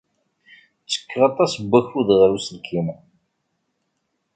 Ttekkeɣ aṭas n wakud ɣer uselkim.